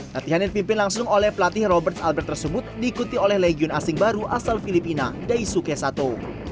latihan yang dipimpin langsung oleh pelatih roberts albert tersebut diikuti oleh legion asing baru asal filipina daisuke sato